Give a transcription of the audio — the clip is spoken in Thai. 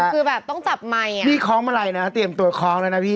คือแบบต้องจับไมค์อ่ะพี่คล้องมาลัยนะเตรียมตัวคล้องแล้วนะพี่